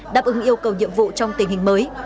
đáp ứng yêu cầu nhiệm vụ trong tình hình mới